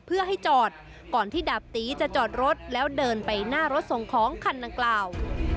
เพื่อให้จอดก่อนที่ดาบตีจะจอดรถแล้วเดินไปหน้ารถส่งของคันดังกล่าว